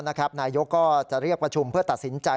นายกก็จะเรียกประชุมเพื่อตัดสินใจ